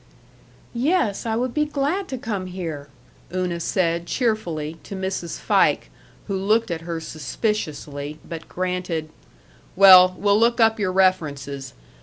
"Yes, I would be glad to come here!" Una said, cheerfully, to Mrs. Fike, who looked at her suspiciously, but granted: "Well, we'll look up your references.